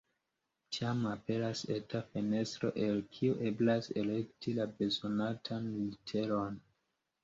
Tiam aperas eta fenestro, el kiu eblas elekti la bezonatan literon.